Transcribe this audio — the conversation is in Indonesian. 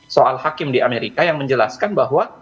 soal hakim di amerika yang menjelaskan bahwa